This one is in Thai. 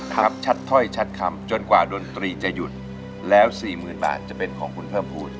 ชัดถ้อยชัดคำจนกว่าดนตรีจะหยุดแล้วสี่หมื่นบาทจะเป็นของคุณเพิ่มพูด